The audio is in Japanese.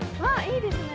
いいですね。